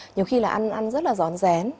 nhiều khi là ăn rất là giòn rén